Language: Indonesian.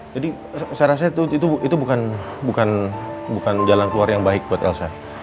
jadi saya rasa itu bukan jalan keluar yang baik buat elsa